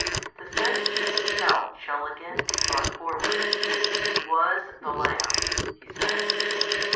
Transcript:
The sentence itself shall again be brought forward. He was the Lamp, He says.